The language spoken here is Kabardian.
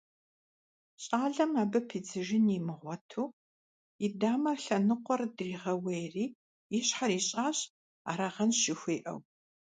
Щалэм абы пидзыжын имыгъуэту и дамэ лъэныкъуэр дригъэуейри, и щхьэр ищӀащ, «арагъэнщ» жыхуиӀэу.